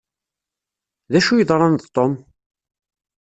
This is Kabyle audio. D acu yeḍran d Tom?